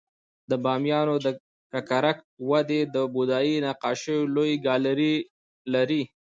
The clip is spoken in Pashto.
د بامیانو د ککرک وادی د بودایي نقاشیو لوی ګالري لري